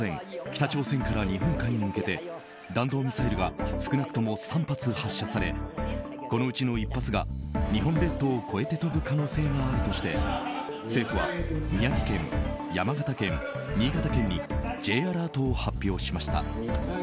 北朝鮮から日本海に向けて弾道ミサイルが少なくとも３発発射されこのうち１発が日本列島を越えて飛ぶ可能性があるとして政府は宮城県、山形県、新潟県にＪアラートを発表しました。